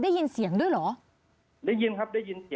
ได้ยินเสียงครับ